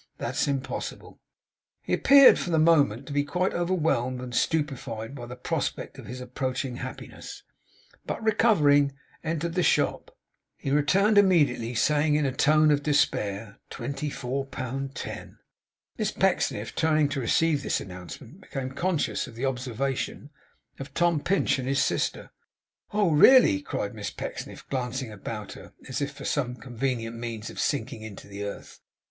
'It's impossible!' He appeared, for the moment, to be quite overwhelmed and stupefied by the prospect of his approaching happiness; but recovering, entered the shop. He returned immediately, saying in a tone of despair 'Twenty four pound ten!' Miss Pecksniff, turning to receive this announcement, became conscious of the observation of Tom Pinch and his sister. 'Oh, really!' cried Miss Pecksniff, glancing about her, as if for some convenient means of sinking into the earth.